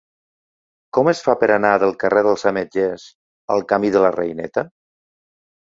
Com es fa per anar del carrer dels Ametllers al camí de la Reineta?